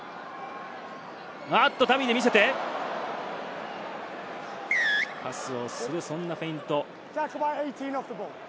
ダミーで見せて、パスをするそんなフェイント。